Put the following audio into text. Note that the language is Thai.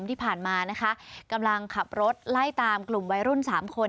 ที่ผ่านมานะคะกำลังขับรถไล่ตามกลุ่มวัยรุ่น๓คน